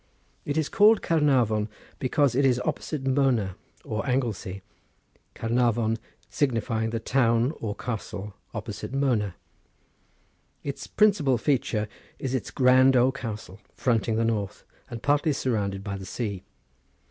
It is called Caernarvon, because it is opposite Mona or Anglesey: Caernarvon signifying the town or castle opposite Mona. Its principal feature is its grand old castle, fronting the north, and partly surrounded by the sea.